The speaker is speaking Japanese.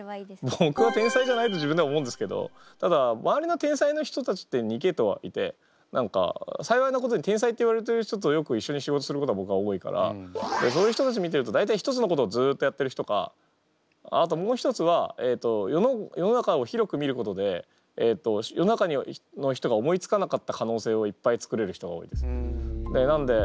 ぼくは天才じゃないと自分では思うんですけどただ周りの天才の人たちって２けいとういて何か幸いなことに天才といわれてる人とよく一緒に仕事することがぼくは多いからそういう人たち見てると大体ひとつのことをずっとやってる人かあともう一つは世の中を広く見ることで世の中の人が思いつかなかったかのうせいをいっぱい作れる人が多いです。